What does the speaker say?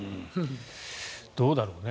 どうだろうね。